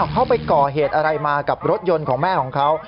เขาไปก่อเหตุอะไรมากับรถยนต์ของแม่ของเขา